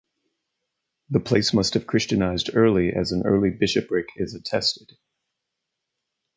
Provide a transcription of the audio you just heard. The place must have Christianised early as an early bishopric is attested.